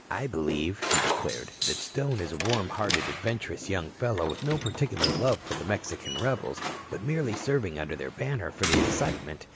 "I believe," he declared, "that Stone is a warm hearted, adventurous young fellow with no particular love for the Mexican rebels, but merely serving under their banner for the excitement.